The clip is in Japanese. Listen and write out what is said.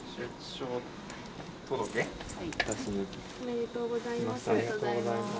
おめでとうございます。